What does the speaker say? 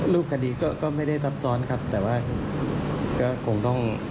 รูปคดีก็ไม่ได้ทับซ้อนครับแต่ว่าก็คงต้อง